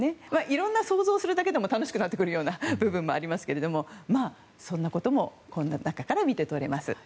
いろんな想像するだけでも楽しくなってくる部分もありますけどもそんなこともこの中から見てとれます。